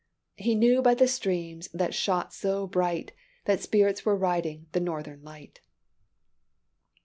He knew by the streams that shot so bright, That spirits were riding the Northern light."